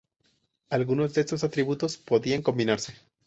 Algunos de esos atributos podían combinarse.